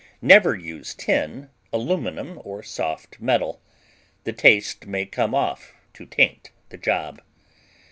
Never use tin, aluminum or soft metal the taste may come off to taint the job.